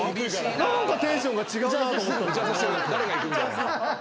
何かテンションが違うなと思ったんだよ。